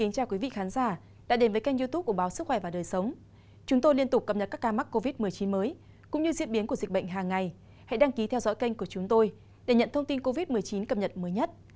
các bạn hãy đăng ký kênh của chúng tôi để nhận thông tin mới nhất